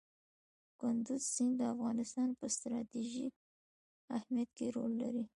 کندز سیند د افغانستان په ستراتیژیک اهمیت کې رول لري.